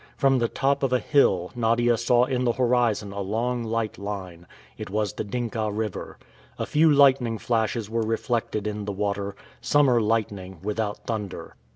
From the top of a hill, Nadia saw in the horizon a long light line. It was the Dinka River. A few lightning flashes were reflected in the water; summer lightning, without thunder.